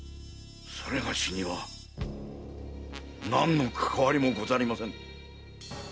それがしには何のかかわりもござりませぬ。